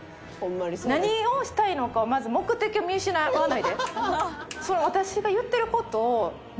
何をしたいのかをまず目的を見失わないで。